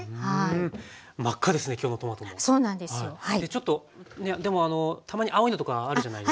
ちょっとねでもたまに青いのとかあるじゃないですか。